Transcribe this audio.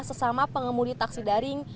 sesama pengemudi taksi daring